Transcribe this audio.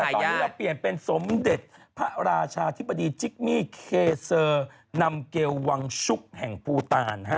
ตอนนี้เราเปลี่ยนเป็นสมเด็จพระราชาธิบดีจิกมี่เคเซอร์นำเกลวังชุกแห่งภูตาน